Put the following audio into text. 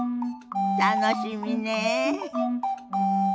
楽しみねえ。